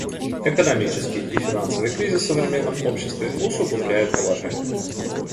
Экономический и финансовый кризис в современном обществе усугубляет положение.